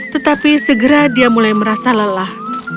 tetapi segera dia mulai merasa lelah